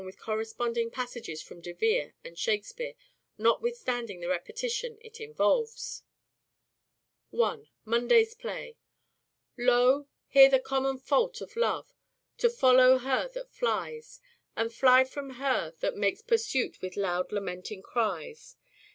with corresponding passages from De Vere and Shakespeare, notwithstanding the repetition it in volves : MANHOOD OF DE VERE : MIDDLE PERIOD 311 1. Munday's play: " Lo ! here the common fault of love, to follow her that flies, And fly from her that makes pursuit with loud lamenting cries.